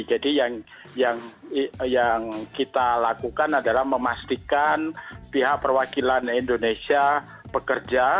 jadi yang kita lakukan adalah memastikan pihak perwakilan indonesia pekerja